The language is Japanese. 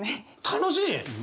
楽しい？